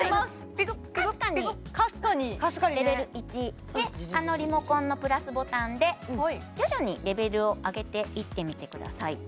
ピクッピクッピクッかすかにレベル１でリモコンのプラスボタンで徐々にレベルを上げていってみてください